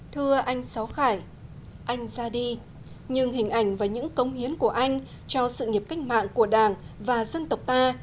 thưa anh sáu khải anh ra đi nhưng hình ảnh và những công hiến của anh cho sự nghiệp cách mạng của đảng và dân tộc ta